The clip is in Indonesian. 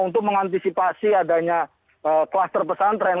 untuk mengantisipasi adanya kluster pesantren